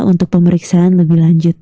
untuk pemeriksaan lebih lanjut